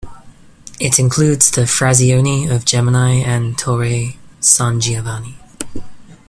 It includes the "frazioni" of Gemini and Torre San Giovanni.